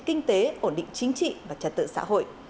kinh tế ổn định chính trị và trật tự xã hội